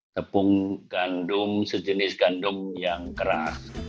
tepung gandum sejenis gandum yang keras